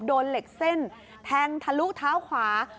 โดนเหล็กเส้นแทงทะลุเท้าขวา